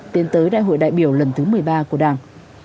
tiến tới đại hội đại biểu lần thứ một mươi ba của đảng